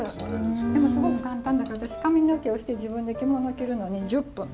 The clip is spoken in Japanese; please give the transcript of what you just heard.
でもすごく簡単だから私髪の毛をして自分で着物着るのに１０分。